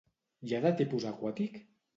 Hi ha de tipus aquàtic?